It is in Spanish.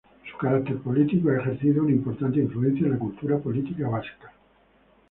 Su carácter político ha ejercido una importante influencia en la cultura política vasca.